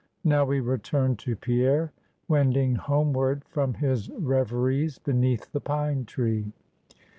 Now we return to Pierre, wending homeward from his reveries beneath the pine tree.